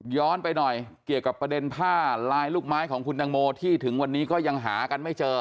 ไปหน่อยเกี่ยวกับประเด็นผ้าลายลูกไม้ของคุณตังโมที่ถึงวันนี้ก็ยังหากันไม่เจอ